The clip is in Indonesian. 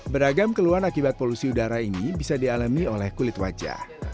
beragam keluhan akibat polusi udara ini bisa dialami oleh kulit wajah